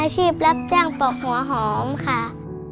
บางทีหนูก็จะพิมพ์ไปหาพ่อไม่มาหาพ่อก็จะบอกว่าติดหุ้นละค่ะ